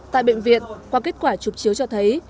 tại bệnh viện qua kết quả chụp chiếu cho thấy